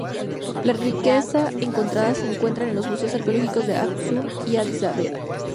Las riquezas encontradas se encuentran en los museos arqueológicos de Aksum y Addis Abeba.